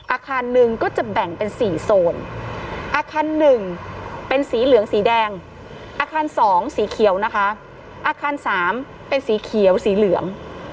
อาคารหนึ่งก็จะแบ่งเป็น๔โซนอาคาร๑เป็นสีเหลืองสีแดงอาคาร๒สีเขียวนะคะอาคาร๓เป็นสีเขียวสีเหลือง